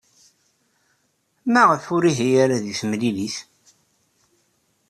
Maɣef ur ihi ara deg temlilit?